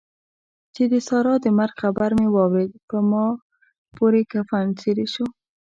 چې د سارا د مرګ خبر مې واورېد؛ په ما پورې کفن څيرې شو.